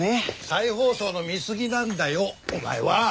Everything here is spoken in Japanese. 再放送の見すぎなんだよお前は！